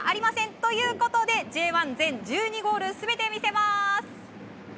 ということで、Ｊ１全１２ゴール全て見せます！